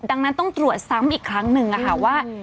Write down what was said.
ดังนั้นต้องตรวจซ้ำอีกครั้งหนึ่งว่า